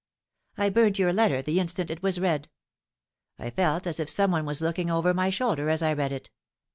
I burnt your letter the instant it was read. I felt as if some one was looking over my shoulder as I read it.